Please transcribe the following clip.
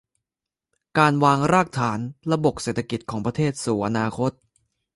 การวางรากฐานระบบเศรษฐกิจของประเทศสู่อนาคต